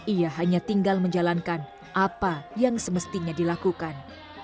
ia hanya tinggal menjalankan apa yang semestinya dilakukan